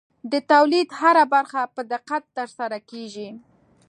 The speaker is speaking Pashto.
د تولید هره برخه په دقت ترسره کېږي.